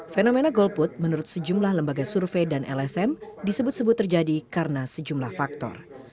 fenomena golput menurut sejumlah lembaga survei dan lsm disebut sebut terjadi karena sejumlah faktor